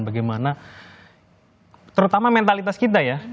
bagaimana terutama mentalitas kita ya